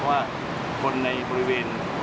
เพราะว่าคนในบริเวณ